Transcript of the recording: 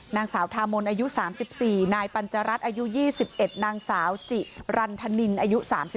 นางสาวทามนอายุ๓๔นายปัญจรัฐอายุ๒๑นางสาวจิรันธนินอายุ๓๒